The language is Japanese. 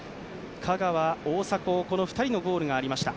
香川、大迫の２人のゴールがありました。